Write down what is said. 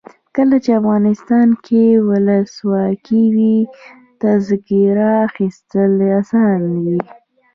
کله چې افغانستان کې ولسواکي وي تذکره اخیستل اسانه وي.